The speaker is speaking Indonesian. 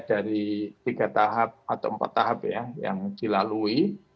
dari tiga tahap atau empat tahap ya yang dilalui